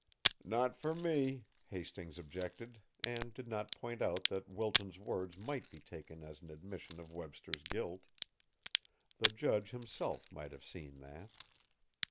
"Not for me," Hastings objected, and did not point out that Wilton's words might be taken as an admission of Webster's guilt. The judge himself might have seen that.